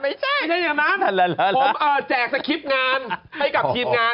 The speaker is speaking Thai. ไม่ใช่ไม่ใช่อย่างนั้นผมเอ่อแจกสคริปต์งานให้กับครีมงาน